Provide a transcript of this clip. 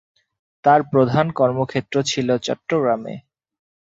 তার প্রধান কর্মক্ষেত্র ছিল চট্টগ্রামে।